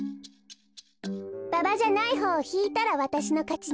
ババじゃないほうをひいたらわたしのかちね。